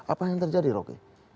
apa yang terjadi rocky